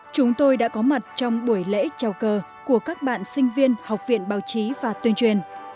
chúng tôi đã có mặt trong buổi lễ chào cờ của các bạn sinh viên học viện báo chí và tuyên truyền